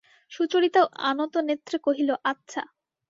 সুচরিতা আনতনেত্রে কহিল, আচ্ছা।